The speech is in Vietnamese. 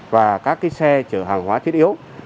và các xe chở hàng hóa thiết yếu